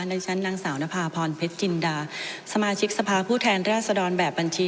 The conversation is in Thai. ในชั้นนางสาวนภาพรเพชรจินดาสมาชิกสภาพผู้แทนราชดรแบบบัญชี